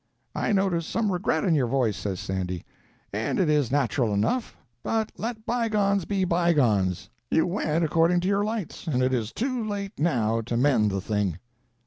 "I notice some regret in your voice," says Sandy, "and it is natural enough; but let bygones be bygones; you went according to your lights, and it is too late now to mend the thing."